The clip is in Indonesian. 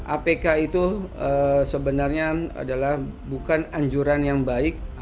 apk itu sebenarnya adalah bukan anjuran yang baik